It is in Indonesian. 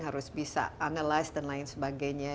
harus bisa analise dan lain sebagainya